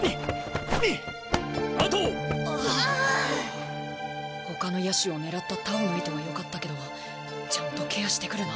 心の声他の野手を狙った太鳳の意図は良かったけどちゃんとケアしてくるな。